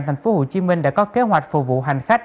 tp hcm đã có kế hoạch phục vụ hành khách